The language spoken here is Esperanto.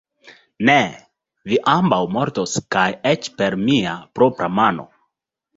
Ne! vi ambaŭ mortos kaj eĉ per mia propra mano.